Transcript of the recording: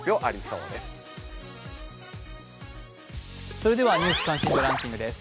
それでは「ニュース関心度ランキング」です。